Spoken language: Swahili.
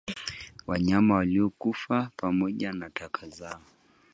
Wanyama waliokufa pamoja na taka zao